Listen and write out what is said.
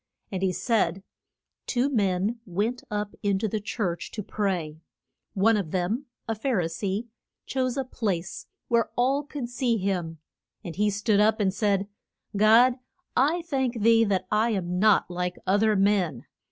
And he said, Two men went up in to the church to pray. One of them a Phar i see chose a place where all could see him; and he stood up and said, God I thank thee that I am not like oth er men.